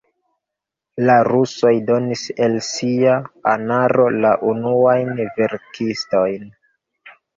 La rusoj donis el sia anaro la unuajn verkistojn.